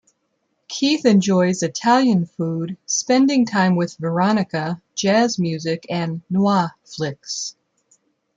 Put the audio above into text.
Keith enjoys Italian food, spending time with Veronica, jazz music and "noir flicks".